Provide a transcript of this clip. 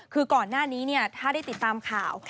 คือก่อนหน้านี้ถ้าได้ติดตามข่าว